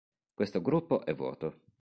Questo gruppo è vuoto.